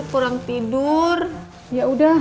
gak kalau ada kebutuhan saya dan goh sa